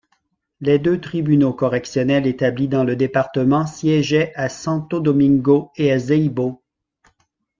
Les deux tribunaux correctionnels établis dans le département siégeaient à Santo-Domingo et à Zeibo.